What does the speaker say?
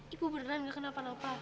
ibu beneran gak kena parah apa